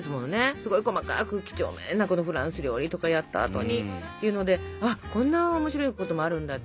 すごい細かく几帳面なフランス料理とかやった後にというのであこんな面白いこともあるんだって。